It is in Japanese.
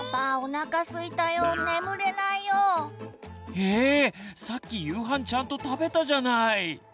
「えさっき夕飯ちゃんと食べたじゃない」。